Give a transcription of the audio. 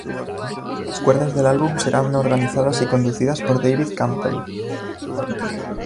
Las cuerdas del álbum serán organizadas y conducidas por David Campbell.